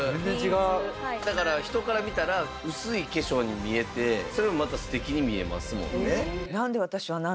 だから人から見たら薄い化粧に見えてそれがまた素敵に見えますもんね。